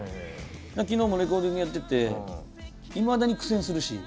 昨日もレコーディングやってていまだに苦戦するし。